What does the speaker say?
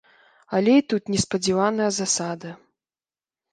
Але і тут неспадзяваная засада.